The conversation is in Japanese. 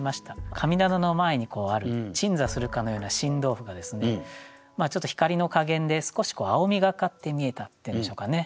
神棚の前にある鎮座するかのような新豆腐がちょっと光の加減で少し青みがかって見えたっていうんでしょうかね。